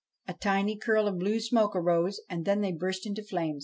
A tiny curl of blue smoke arose, and then they burst into flame.